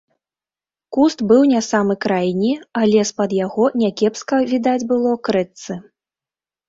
Куст быў не самы крайні, але з-пад яго някепска відаць было к рэчцы.